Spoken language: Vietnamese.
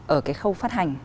ở cái khâu phát hành